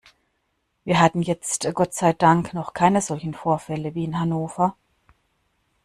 Wir hatten jetzt Gott sei Dank noch keine solchen Vorfälle wie in Hannover.